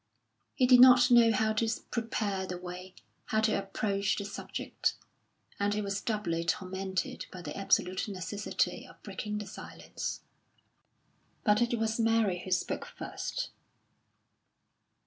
He did not know how to prepare the way, how to approach the subject; and he was doubly tormented by the absolute necessity of breaking the silence. But it was Mary who spoke first.